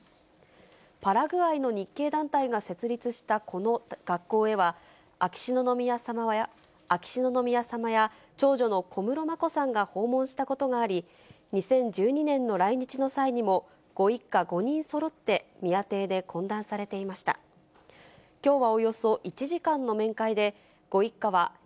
パラグアイの日系団体が設立したこの学校へは、秋篠宮さまや長女の小室眞子さんが訪問したことがあり、２０１２年の来日の際にも、ご一家５人そろって、宮邸で懇談されていまし全国の皆さんこんにちは。